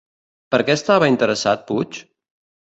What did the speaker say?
Per què estava interessat Puig?